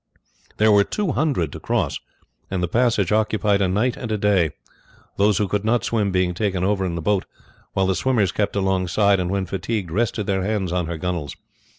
There were two hundred to cross, and the passage occupied a night and a day; those who could not swim being taken over in the boat, while the swimmers kept alongside and when fatigued rested their hands on her gunwales.